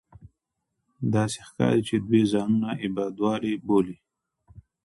داسې ښکاري چې دوی ځانونه اېبودالو بولي